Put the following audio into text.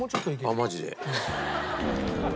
あっマジ？